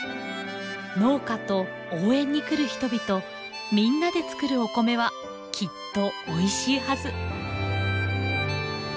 農家と応援に来る人々みんなで作るお米はきっとおいしいはず。